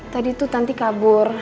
tadi tuh tanti kabur